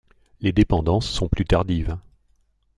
Les dépendances sont plus tardives.